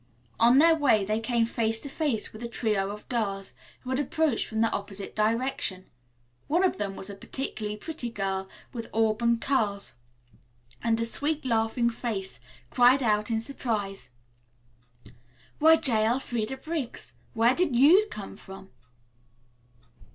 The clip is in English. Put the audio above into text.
On their way they came face to face with a trio of girls who had approached from the opposite direction. One of them, a particularly pretty girl, with auburn curls and a sweet, laughing face, cried out in surprise, "Why, J. Elfreda Briggs, where did you come from?"